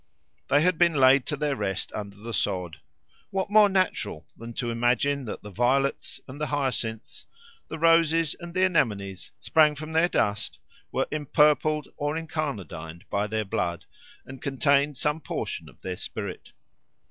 They had been laid to their rest under the sod. What more natural than to imagine that the violets and the hyacinths, the roses and the anemones, sprang from their dust, were empurpled or incarnadined by their blood, and contained some portion of their spirit?